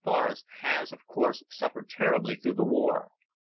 The Bialowicz forest has, of course, suffered terribly through the war.